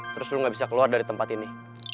terus lu gak bisa keluar dari tempat ini